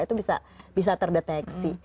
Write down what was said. itu bisa terdeteksi